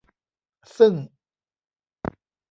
ซึ่ง